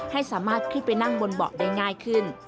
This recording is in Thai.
ให้สามารถขึ้นไปนั่งบนเบาะได้ง่ายขึ้น